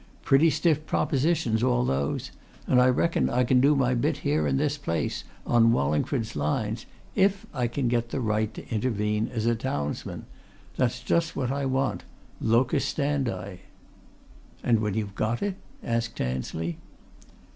Pretty stiff propositions, all those! And I reckon I can do my bit here in this place, on Wallingford's lines, if I get the right to intervene, as a townsman. That's what I want locus standi." "And when you've got it?" asked Tansley.